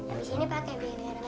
abis ini pakai bibir merah